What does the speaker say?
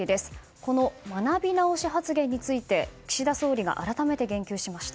この学び直し発言について岸田総理が改めて言及しました。